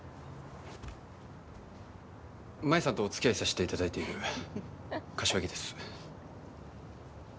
舞さんとおつきあいさしていただいている柏木です。